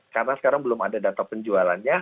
karena sekarang belum ada data penjualannya